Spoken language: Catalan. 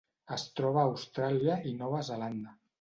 Es troba a Austràlia i Nova Zelanda.